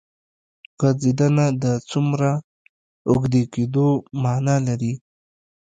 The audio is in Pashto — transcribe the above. غځېدنه د څومره اوږدې کېدو معنی لري.